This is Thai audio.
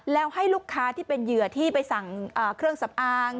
แล้วให้ลูกค้าที่เป็นเหยื่อที่ไปสั่งเครื่องสำอาง